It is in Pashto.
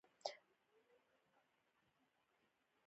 هغه بل به هم راپاڅېد، ترڅو د یوازیتوب احساس مو نه کاوه.